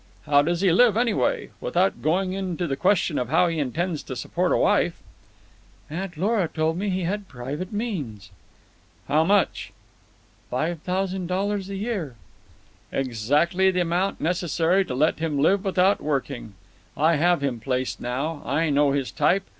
How does he live, anyway, without going into the question of how he intends to support a wife?" "Aunt Lora told me he had private means." "How much?" "Five thousand dollars a year." "Exactly the amount necessary to let him live without working. I have him placed now. I know his type.